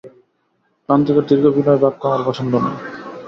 ক্লান্তিকর দীর্ঘ বিনয় বাক্য আমার পছন্দ নয়।